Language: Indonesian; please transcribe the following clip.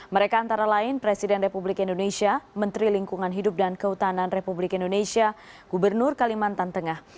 mereka antara lain presiden republik indonesia menteri lingkungan hidup dan kehutanan republik indonesia gubernur kalimantan tengah